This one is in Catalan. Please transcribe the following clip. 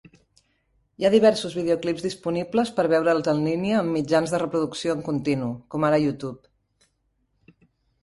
Hi ha diversos videoclips disponibles per veure'ls en línia amb mitjans de reproducció en continu, com ara YouTube.